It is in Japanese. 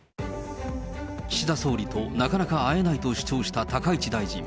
岸田総理となかなか会えないと主張した高市大臣。